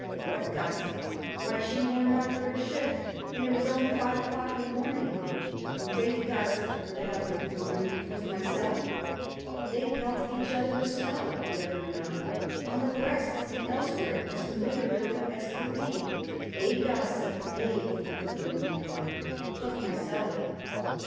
"What, gossip? Why she wore naught but her shift, and it was only five o'clock in the morning." "In faith, gossip," replied the good woman, "'twas myself." "They pelted each other with snow," the other went on, "on the breasts and elsewhere, as familiarly as could be." "Eh! gossip, eh!" the good woman replied, "'twas myself."